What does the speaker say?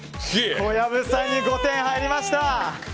小籔さんに５点入りました！